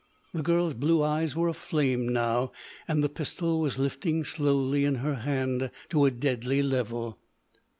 The girl's blue eyes were aflame, now, and the pistol was lifting slowly in her hand to a deadly level.